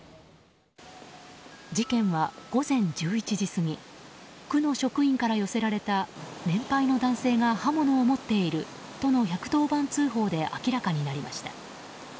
事件は午前１１時過ぎ区の職員から寄せられた年配の男性が刃物を持っているとの１１０番通報で明らかになりました。